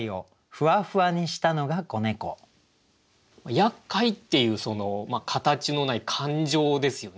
「厄介」っていう形のない感情ですよね。